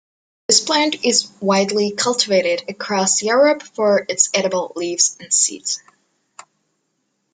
This plant is widely cultivated across Europe for its edible leaves and seeds.